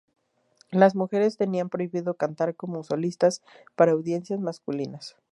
Las mujeres tenían prohibido cantar como solistas para audiencias masculinas.